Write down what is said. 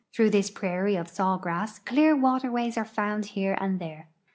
Through this prairie of saw grass clear waterways are found here and there.